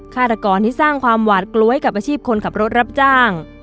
ฆาตกรที่สร้างความหวาดกลัวให้กับอาชีพคนขับรถรับจ้าง